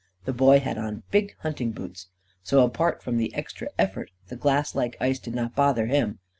The Boy had on big hunting boots. So, apart from the extra effort, the glass like ice did not bother him.